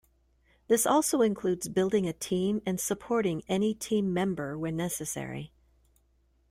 This also includes building a team and supporting any team member when necessary.